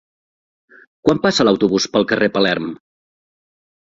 Quan passa l'autobús pel carrer Palerm?